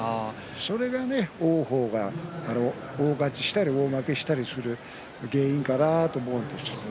それが王鵬が大勝ちしたり大負けをしたりする原因かなと思います。